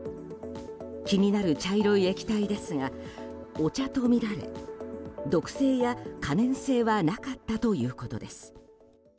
気になる茶色い液体ですがお茶とみられ毒性や可燃性はなかったということです。